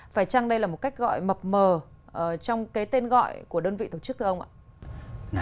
phải chăng đây là một cách gọi mập mờ trong cái tên gọi của đơn vị tổ chức thưa ông ạ